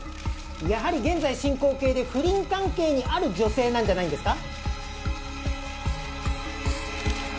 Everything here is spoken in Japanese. やはり現在進行形で不倫関係にある女性なんじゃないんですか？